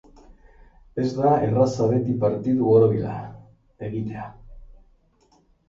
Ez da erraza beti partidu borobila, egitea.